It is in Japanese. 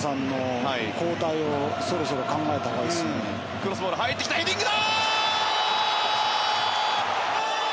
クロスボール入ってきたヘディングだ！